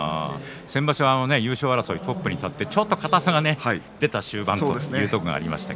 先場所、優勝争いトップに立ってちょっと硬さが出た終盤もありましたね。